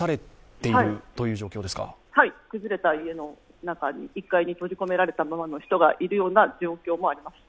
崩れた家の中、１階に閉じ込められたままの人がいるような状況もありました。